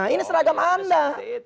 ini seragam anda